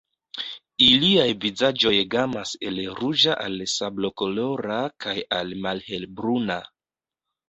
Iliaj vizaĝoj gamas el ruĝa al sablokolora kaj al malhelbruna.